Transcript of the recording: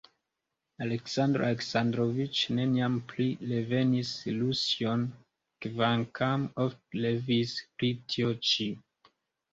Aleksandro Aleksandroviĉ neniam plu revenis Rusion, kvankam ofte revis pri tio ĉi.